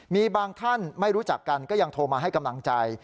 มีบางท่านไม่รู้จักกันก็ยังโทรมาให้กำลังใจ